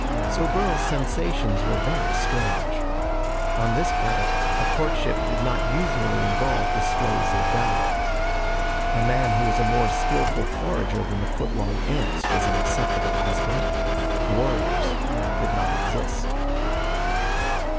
So Burl's sensations were very strange. On this planet a courtship did not usually involve displays of valor. A man who was a more skillful forager than the foot long ants was an acceptable husband. Warriors did not exist.